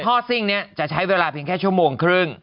ท่อซิ่งนี้จะใช้เวลาเพียงแค่ชั่วโมงครึ่ง